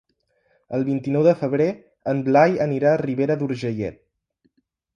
El vint-i-nou de febrer en Blai anirà a Ribera d'Urgellet.